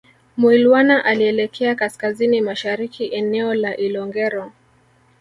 Mwilwana alielekea kaskazini mashariki eneo la Ilongero